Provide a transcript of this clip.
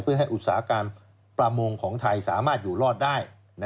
เพื่อให้อุตสาหกรรมประมงของไทยสามารถอยู่รอดได้